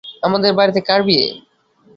আমাদের বাড়িতে কার বিয়ে?